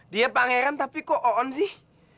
dia pangeran tapi kok oon sih